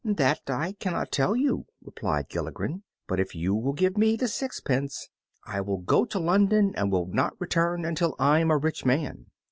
"That I cannot tell you," replied Gilligren, "but if you will give me the sixpence I will go to London, and not return until I am a rich man."